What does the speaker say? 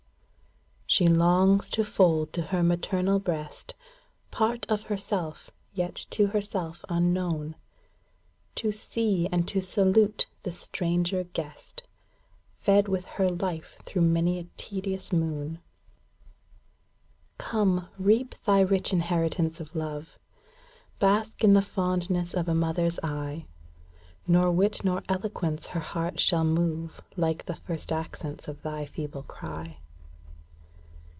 She longs to fold to her maternal breast Part of herself, yet to herself unknown ; To see and to salute the stranger guest. Fed with her life through many a tedious moon. IS EXPECTED SOON TO BECOME VISIBLE. 201 Come, reap thy rich inheritance of love ! Bask in the fondness of a Mother's eye ! Nor wit nor eloquence her heart shall move Like the first accents of thy feeble cry.